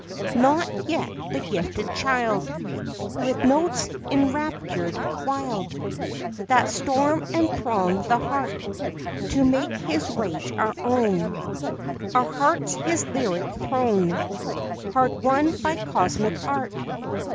Not yet the gifted child, With notes enraptured, wild, That storm and throng the heart, To make his rage our own, Our hearts his lyric throne; Hard won by cosmic art.